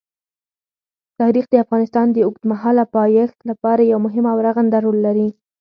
تاریخ د افغانستان د اوږدمهاله پایښت لپاره یو مهم او رغنده رول لري.